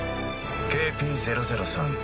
ＫＰ００３